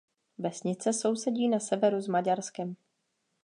Vesnice sousedí na severu s Maďarskem.